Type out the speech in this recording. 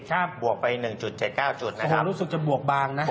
ครับบวกไป๑๗๙จุดนะครับโอ้โฮรู้สึกจะบวกบางนะ